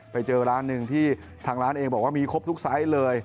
ไปเจอร้านหนึ่งที่ทางร้านเองบอกว่ามีครบทุกไซส์เลย